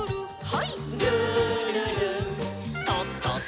はい。